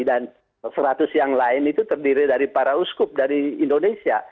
dan seratus yang lain itu terdiri dari para uskup dari indonesia